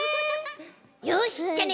よしじゃあね